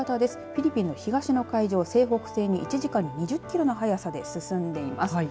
フィリピンの東の海上を西北西に１時間に２０キロの速さで進んでいます。